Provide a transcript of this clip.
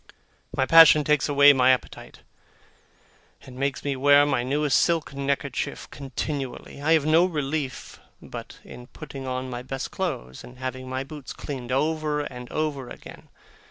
My passion takes away my appetite, and makes me wear my newest silk neckerchief continually. I have no relief but in putting on my best clothes, and having my boots cleaned over and over again.